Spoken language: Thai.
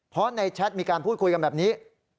เพราะในแชทมีการพูดคุยกันแบบนี้